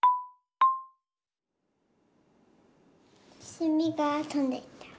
せみがとんでった。